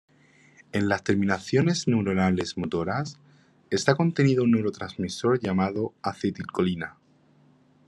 En las terminaciones neuronales motoras está contenido un neurotransmisor llamado acetilcolina.